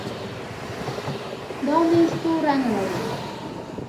دا ميز تور رنګ لري.